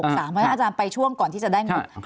เพราะว่าอาจารย์ไปช่วงก่อนที่จะได้งุ่น